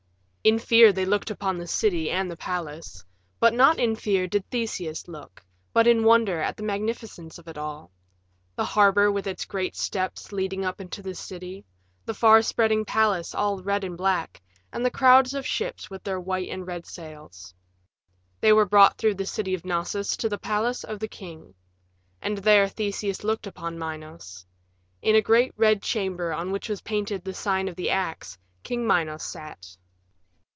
In fear they looked upon the city and the palace. But not in fear did Theseus look, but in wonder at the magnificence of it all the harbor with its great steps leading up into the city, the far spreading palace all red and black, and the crowds of ships with their white and red sails. They were brought through the city of Knossos to the palace of the king. And there Theseus looked upon Minos. In a great red chamber on which was painted the sign of the axe, King Minos sat.